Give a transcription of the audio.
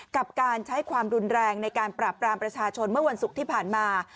กับการใช้ความรุนแรงในการปราบปรามประชาชนเมื่อวันศุกร์ที่ผ่านมา